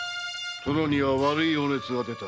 殿には悪いお熱が出た。